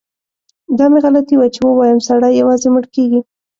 دا مې غلطي وه چي ووایم سړی یوازې مړ کیږي.